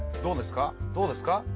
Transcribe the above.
どうですか？